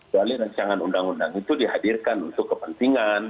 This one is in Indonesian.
dari rancangan undang undang itu dihadirkan untuk kepentingan